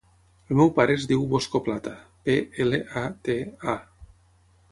El meu pare es diu Bosco Plata: pe, ela, a, te, a.